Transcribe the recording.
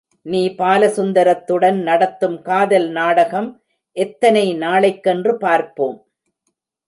நீ பாலசுந்தரத்துடன் நடத்தும் காதல் நாடகம் எத்தனை நாளைக்கென்று பார்ப்போம்.